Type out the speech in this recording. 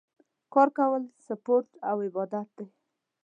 کار کول سپورټ او عبادت دی